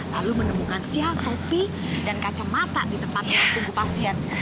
lalu menemukan sial kopi dan kacamata di tempat tunggu pasien